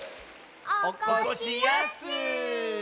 おこしやす。